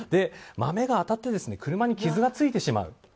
豆が当たって車に傷がついてしまう。